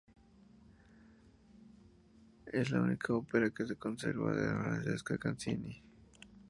Es la única ópera que se conserva de Francesca Caccini.